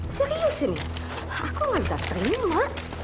serius ini aku nggak bisa terima